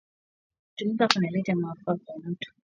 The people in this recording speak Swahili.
Kutumika kuna leta mafaa kwa mutu